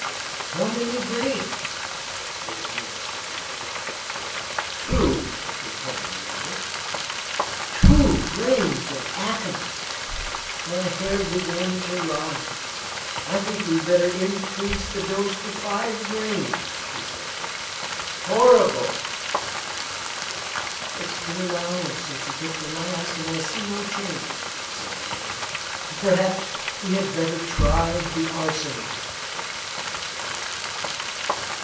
"How many grains?" was next asked. "Two," replied the mother. Two grains of aconite! My hair began to rise. "I think we had better increase the dose to five grains." Horrible! "It's an hour since he took the last, and I see no change," said the mother. "Perhaps we had better try the arsenic."